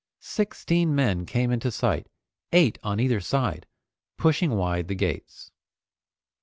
Sixteen men came into sight, eight on either side, pushing wide the gates.